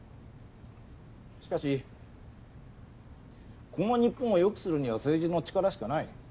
しかしこの日本を良くするには政治の力しかない。